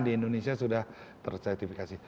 di indonesia sudah tersertifikasi